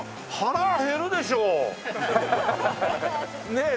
ねえ。